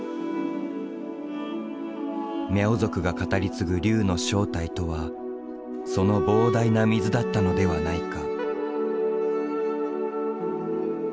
ミャオ族が語り継ぐ龍の正体とはその膨大な水だったのではないか。